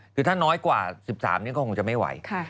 คือถ้าน้อยกว่า๑๓นี่ก็คงจะไม่ไหว